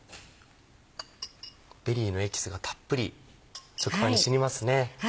ベリーのエキスがたっぷり食パンに染みますね。